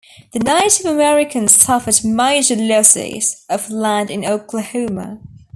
The Native Americans suffered major losses of land in Oklahoma.